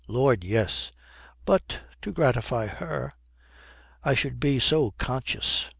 'Lord, yes!' 'But to gratify her.' 'I should be so conscious.' Mr.